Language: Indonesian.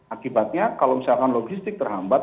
akibatnya kalau misalkan logistik terhambat